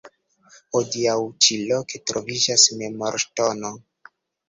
Hodiaŭ ĉi loke troviĝas memorŝtono.